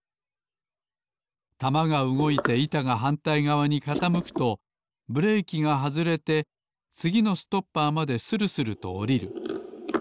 玉がうごいていたがはんたいがわにかたむくとブレーキがはずれてつぎのストッパーまでするするとおりる。